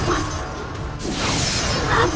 i am an amateur